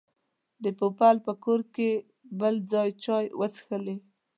د پوپل په کور کې بل ځل چای وڅښلې.